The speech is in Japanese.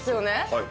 はい。